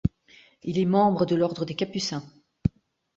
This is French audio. Il est membre de l'ordre des capucins.